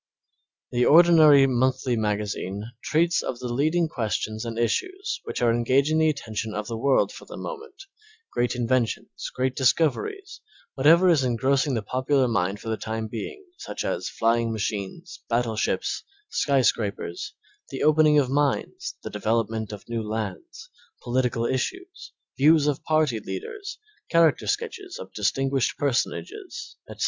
The ordinary monthly magazine treats of the leading questions and issues which are engaging the attention of the world for the moment, great inventions, great discoveries, whatever is engrossing the popular mind for the time being, such as flying machines, battleships, sky scrapers, the opening of mines, the development of new lands, the political issues, views of party leaders, character sketches of distinguished personages, etc.